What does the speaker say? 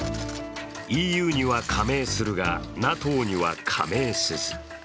ＥＵには加盟するが、ＮＡＴＯには加盟せず。